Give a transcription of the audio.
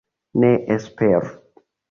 Ne esperu.